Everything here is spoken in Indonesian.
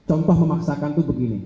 apa memaksakan tuh begini